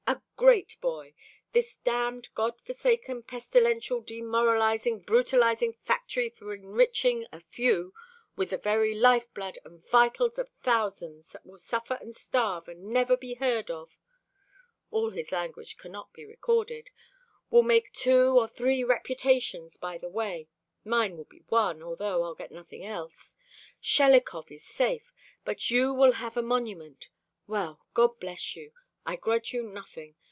"A great boy. This damned, God forsaken, pestilential, demoralizing, brutalizing factory for enriching a few with the very life blood and vitals of thousands that will suffer and starve and never be heard of" (all his language cannot be recorded), "will make two or three reputations by the way. Mine will be one, although I'll get nothing else. Shelikov is safe; but you will have a monument. Well, God bless you. I grudge you nothing.